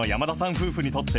夫婦にとって、